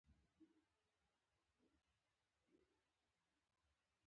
همداشان د توري کلا تاریخي